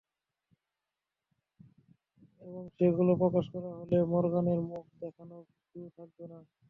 এবং সেগুলো প্রকাশ করা হলে মরগানের মুখ দেখানোর জো থাকবে না।